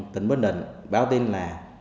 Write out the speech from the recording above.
tỉnh bình định báo tin là